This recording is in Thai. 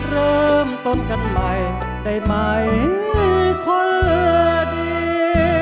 เริ่มต้นกันใหม่ได้ไหมคนเหลือดี